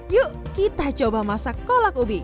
yuk kita coba masak kolak ubi